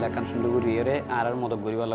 oke itu mereka faisaitong di begini